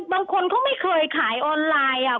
บางคนเขาไม่เคยขายออนไลน์